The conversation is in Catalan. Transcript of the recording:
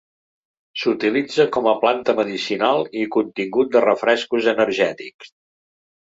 S'utilitza com a planta medicinal i contingut de refrescos energètics.